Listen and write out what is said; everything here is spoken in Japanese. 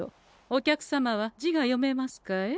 お客様は字が読めますかえ？